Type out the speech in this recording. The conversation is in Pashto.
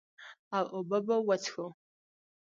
او اوبۀ به وڅښو ـ